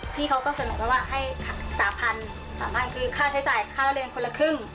พี่เขาก็เสนอไปว่าให้๓๐๐๓๐๐คือค่าใช้จ่ายค่าระเรียนคนละครึ่ง